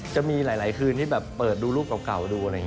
จะมีหลายคืนที่เปิดดูรูปเก่าดู